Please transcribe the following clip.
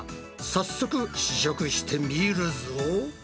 早速試食してみるぞ。